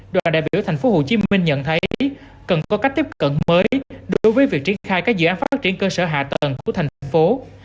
đoàn đại biểu tp hcm nhận thấy cần có cách tiếp cận mới đối với việc triển khai các dự án phát triển cơ sở hạ tầng của thành phố